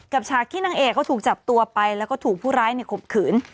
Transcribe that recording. ฉากที่นางเอกเขาถูกจับตัวไปแล้วก็ถูกผู้ร้ายข่มขืน